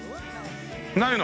ないの？